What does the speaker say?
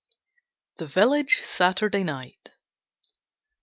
THE VILLAGE SATURDAY NIGHT.